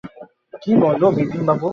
কী বল বিপিনবাবু?